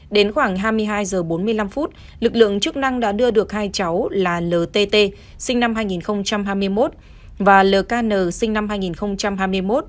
đến khoảng hai mươi hai h bốn mươi năm lực lượng chức năng đã đưa được hai cháu là ltt sinh năm hai nghìn hai mươi một và lk sinh năm hai nghìn hai mươi một